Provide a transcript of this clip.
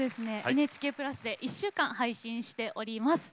「ＮＨＫ＋」で１週間配信しております。